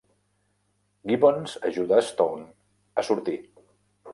Gibbons ajuda a Stone a sortir.